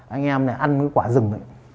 anh em này ăn cái quả rừng này